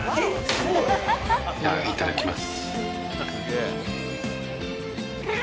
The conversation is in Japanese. いただきます。